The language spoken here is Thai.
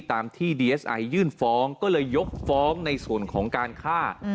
ตามที่ดีเอสไอยื่นฟ้องก็เลยยกฟ้องในส่วนของการฆ่า